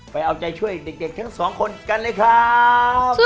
ไปเอาใจช่วยเด็กทั้งสองคนกันเลยครับ